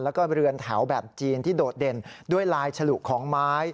แล้วก็เรือนแถวแบบจีนที่โดดเด่นด้วยลายฉลุของไม้